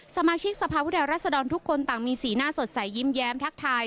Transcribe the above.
สมาชิกสภาพุทธรัศดรทุกคนต่างมีสีหน้าสดใสยิ้มแย้มทักทาย